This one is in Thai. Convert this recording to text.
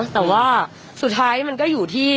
แต่ว่าสุดท้ายมันก็อยู่ที่